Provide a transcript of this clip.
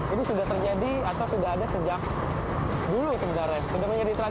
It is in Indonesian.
ini sudah terjadi atau sudah ada sejak dulu sebenarnya sudah menjadi tren